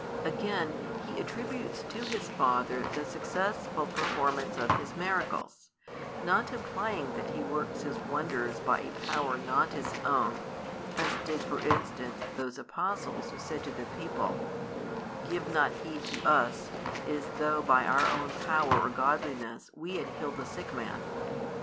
Again, He attributes to His Father the successful performance of His miracles, not implying that He works His wonders by a power not His own, as did for instance those Apostles who said to the people: "Give not heed to us, as though by our own power or godliness we had healed the sick man."